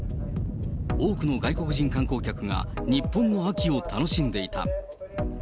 多くの外国人観光客が日本の秋を楽しんでいた。